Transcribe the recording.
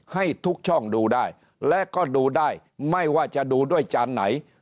ให้ทุกช่องดูได้และก็ดูได้ไม่ว่าจะดูด้วยจานไหน